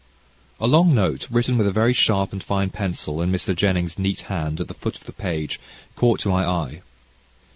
A long note, written with a very sharp and fine pencil, in Mr. Jennings' neat hand, at the foot of the page, caught my eye.